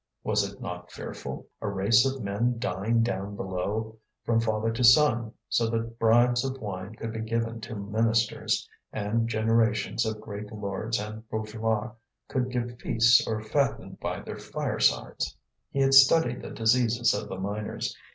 Was it not fearful? a race of men dying down below, from father to son, so that bribes of wine could be given to ministers, and generations of great lords and bourgeois could give feasts or fatten by their firesides! He had studied the diseases of the miners.